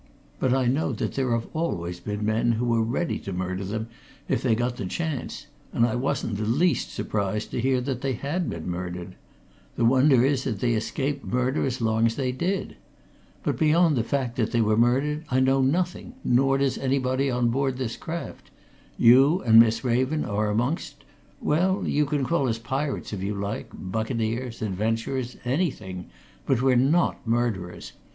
But I know that there have always been men who were ready to murder them if they got the chance, and I wasn't the least surprised to hear that they had been murdered. The wonder is that they escaped murder as long as they did! But beyond the fact that they were murdered, I know nothing nor does anybody on board this craft. You and Miss Raven are amongst well, you can call us pirates if you like, buccaneers, adventurers, anything! but we're not murderers.